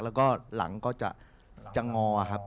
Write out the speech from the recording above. แล้วก็หลังก็จะงอครับ